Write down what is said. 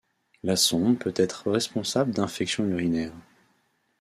La sonde peut être responsable d'infections urinaires.